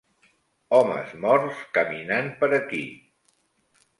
"Homes morts caminant per aquí!"